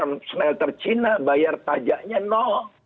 tentu saja semua yang tercina bayar pajaknya no